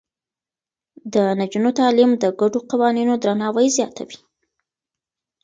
د نجونو تعليم د ګډو قوانينو درناوی زياتوي.